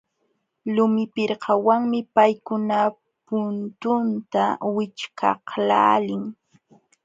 Lumi pirkawanmi paykuna puntunta wićhqaqlaalin.